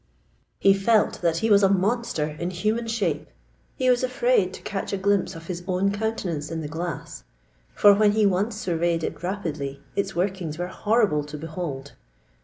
He felt that he was a monster in human shape: he was afraid to catch a glimpse of his own countenance in the glass—for when he once surveyed it rapidly, its workings were horrible to behold!